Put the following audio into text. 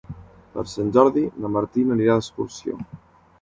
Per Sant Jordi na Martina anirà d'excursió.